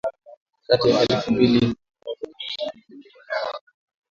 kati ya elfu mbili na moja na elfu mbili na kumi na moja